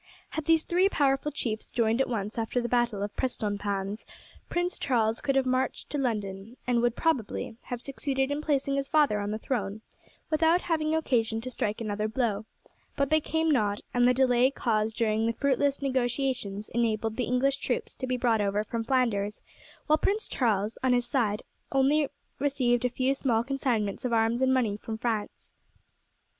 Had these three powerful chiefs joined at once after the battle of Prestonpans, Prince Charles could have marched to London, and would probably have succeeded in placing his father on the throne, without having occasion to strike another blow; but they came not, and the delay caused during the fruitless negotiations enabled the English troops to be brought over from Flanders, while Prince Charles on his side only received a few small consignments of arms and money from France.